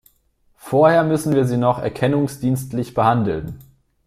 Vorher müssen wir Sie noch erkennungsdienstlich behandeln.